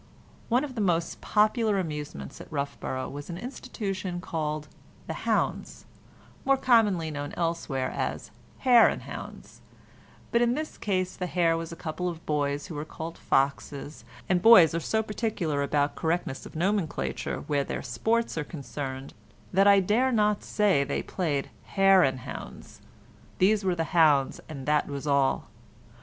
One of the most popular amusements at Roughborough was an institution called "the hounds"—more commonly known elsewhere as "hare and hounds," but in this case the hare was a couple of boys who were called foxes, and boys are so particular about correctness of nomenclature where their sports are concerned that I dare not say they played "hare and hounds"; these were "the hounds," and that was all.